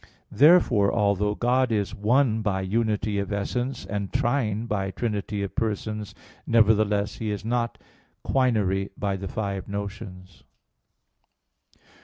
Therefore, although God is one by unity of essence, and trine by trinity of persons, nevertheless He is not quinary by the five notions.